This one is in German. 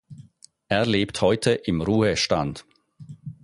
Er lebt heute im Ruhestand.